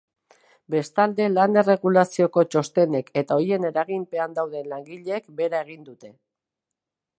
Bestalde, lan erregulazioko txostenek eta horien eraginpean dauden langileek behera egin dute.